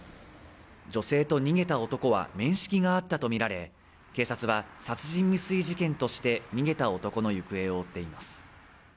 女性と逃げた男は面識があったとみられ警察は殺人未遂事件として逃げた男の行方を追っています。